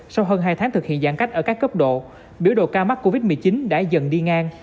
sau hơn hai tháng thực hiện giãn cách ở các cấp độ biểu đồ ca mắc covid một mươi chín đã dần đi ngang